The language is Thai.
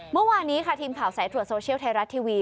เมื่อวานนี้ค่ะทีมข่าวสายตรวจโซเชียลไทยรัฐทีวี